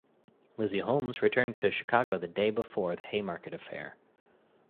Lizzie Holmes returned to Chicago the day before the Haymarket affair.